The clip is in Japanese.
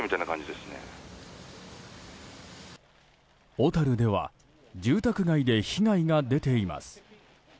小樽では住宅街で被害が出ています。